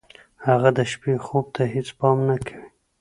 هغه د شپې خوب ته هېڅ پام نه کوي.